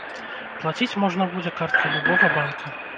Плаціць можна будзе карткай любога банка.